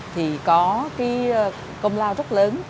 thì có cái công lao rất lớn